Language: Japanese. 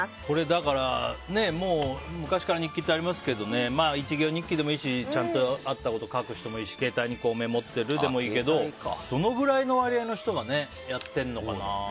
だから、昔から日記ってありますけど１行日記でもいいしちゃんとあったことを書くのもいいし、携帯にメモってるでもいいけどどのくらいの割合の人がやっているのかな？